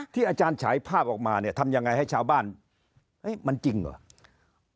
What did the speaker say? ที่อาจารย์ฉายภาพออกมาทำอย่างไรให้ชาวบ้านมันจริงเหรอ